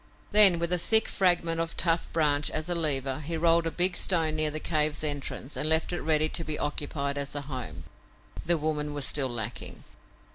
Then, with a thick fragment of tough branch as a lever, he rolled a big stone near the cave's entrance and left it ready to be occupied as a home. The woman was still lacking.